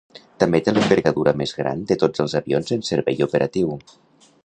També té l'envergadura més gran de tots els avions en servei operatiu.